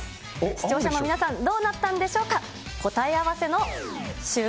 視聴者の皆さん、どうなったんでしょうか。